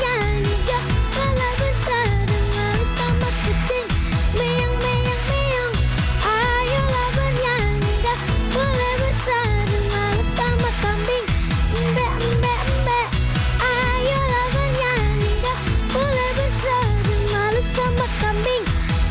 jangan boleh bersedih malu sama kambing